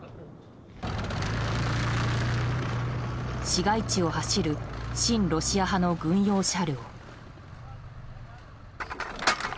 市街地を走る親ロシア派の軍用車両。